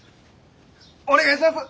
お願いします！